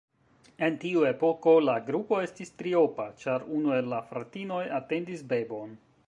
En tiu epoko la grupo estis triopa, ĉar unu el la fratinoj atendis bebon.